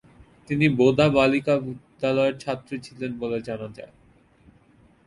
তিনি বোদা বালিকা বিদ্যালয়ের ছাত্রী ছিলেন বলে জানা যায়।